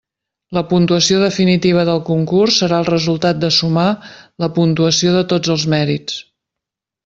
La puntuació definitiva del concurs serà el resultat de sumar la puntuació de tots els mèrits.